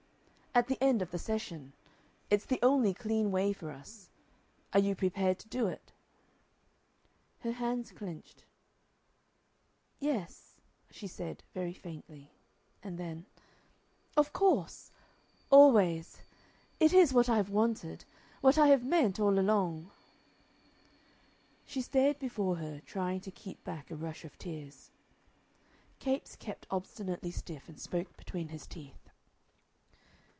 "At the end of the session. It's the only clean way for us. Are you prepared to do it?" Her hands clenched. "Yes," she said, very faintly. And then: "Of course! Always. It is what I have wanted, what I have meant all along." She stared before her, trying to keep back a rush of tears. Capes kept obstinately stiff, and spoke between his teeth.